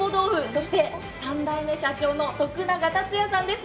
そして３代目社長の徳永さんです。